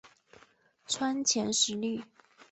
川黔石栎